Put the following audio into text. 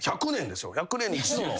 １００年に一度の。